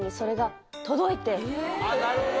なるほど。